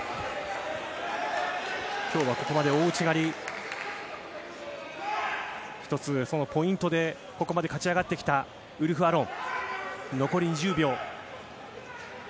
今日はここまで大内刈り１つ、ポイントでここまで勝ち上がってきたウルフ・アロン。